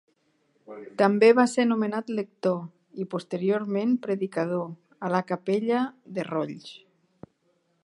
També va ser nomenat lector, i posteriorment predicador, a la capella de Rolls.